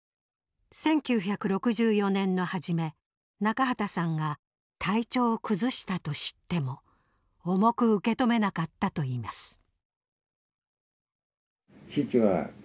１９６４年の初め中畠さんが体調を崩したと知っても重く受け止めなかったといいます。